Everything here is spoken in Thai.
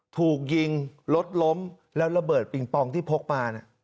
ถูกยิงรถล้มแล้วระเบิดปิงปองที่พกมา